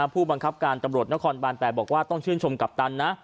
ผู้บังคับการตำรวจนครบาน๘บอกว่าต้องชื่นชมกัปตันนะ